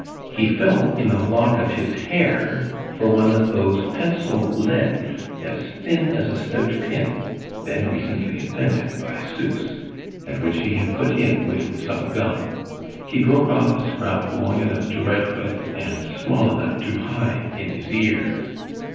He felt in a lock of his hair for one of those pencil leads as thin as a stout pin, then recently invented by Susse, and which he had put in with some gum; he broke off a scrap long enough to write with and small enough to hide in his ear.